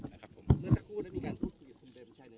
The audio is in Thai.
นะครับผมเมื่อจะพูดแล้วนี่กันทุกสิทธิ์คุณเบรมชัยเนี่ย